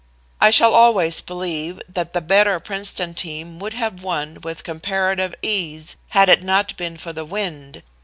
I shall always believe that the better Princeton team would have won with comparative ease had it not been for the wind.